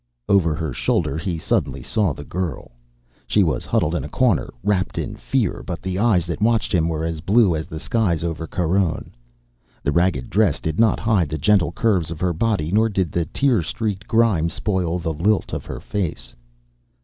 Over her shoulder, he suddenly saw the girl. She was huddled in a corner, wrapped in fear, but the eyes that watched him were as blue as the skies over Caronne. The ragged dress did not hide the gentle curves of her body, nor did the tear streaked grime spoil the lilt of her face.